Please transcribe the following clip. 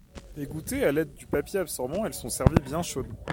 Égouttées à l’aide du papier absorbant, elles sont servies bien chaudes.